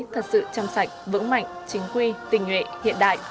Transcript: thật sự trong sạch vững mạnh chính quy tình nguyện hiện đại